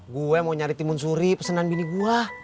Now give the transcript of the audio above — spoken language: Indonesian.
gue mau nyari timun suri pesenan bini gue